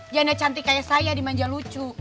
janda cantik kayak saya dimanja lucu